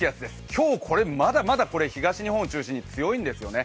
今日これ、まだまだ東日本を中心に強いんですよね。